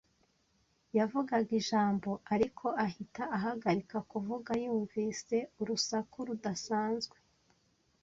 Yavugaga ijambo, ariko ahita ahagarika kuvuga yumvise urusaku rudasanzwe.